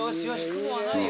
雲はないよ。